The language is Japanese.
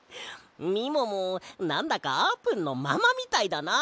みももなんだかあーぷんのママみたいだな。